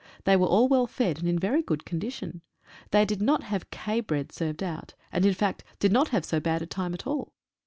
They were all well fed, and in very good condition. They did not have K. bread served out, and in fact did not have so bad a time at all.